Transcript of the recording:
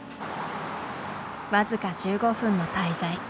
僅か１５分の滞在。